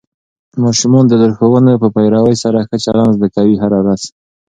ماشومان د لارښوونو په پیروي سره ښه چلند زده کوي هره ورځ.